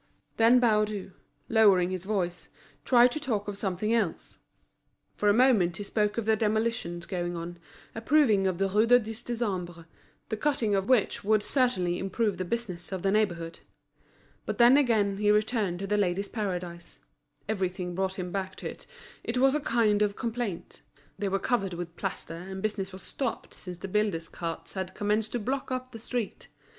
Then Baudu, lowering his voice, tried to talk of something else. For a moment he spoke of the demolitions going on, approving of the Rue du Dix Décembre, the cutting of which would certainly improve the business of the neighbourhood. But then again he returned to The Ladies' Paradise; everything brought him back to it, it was a kind of complaint. They were covered with plaster, and business was stopped since the builders' carts had commenced to block up the street.